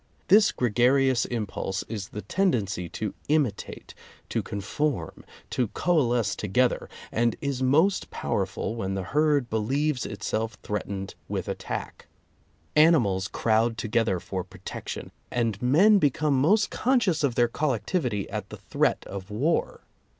This gregarious impulse is the tendency to imitate, to conform, to coalesce together, and is most powerful when the herd believes itself threatened with attack. Animals crowd together for protection, and men become most conscious of their collectivity at the threat of war.